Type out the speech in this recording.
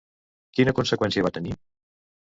Quina conseqüència va tenir?